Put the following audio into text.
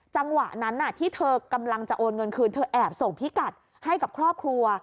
จังหวะนั้นที่เธอกำลังจะโอนเงินคืนเธอแอบส่งพิกัดให้กับครอบครัว